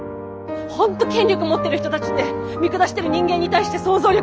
本当権力持ってる人たちって見下してる人間に対して想像力ないよね。